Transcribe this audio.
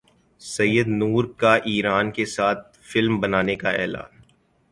سید نور کا ایران کے ساتھ فلم بنانے کا اعلان